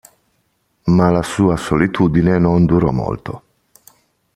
Ma la sua solitudine non durò molto.